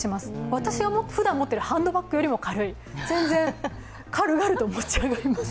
私がふだん持っているハンドバッグよりも軽い、全然、軽々と持ち上がります。